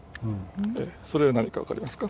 それは何か分かりますか？